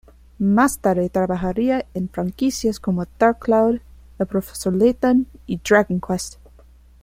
Más tarde trabajaría en franquicias como Dark Cloud, el profesor Layton y Dragon Quest.